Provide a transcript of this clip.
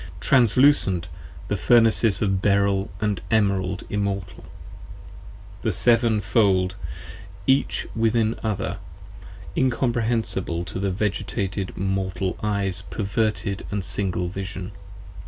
Translucent the Furnaces of Beryll & Emerald immortal: 10 And Seven fold each within other: incomprehensible To the Vegetated Mortal Eye's perverted & single vision.